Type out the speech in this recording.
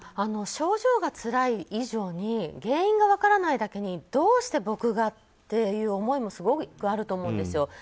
症状がつらい以上に原因が分からないだけにどうして僕がっていう思いもすごいあると思うんですよ。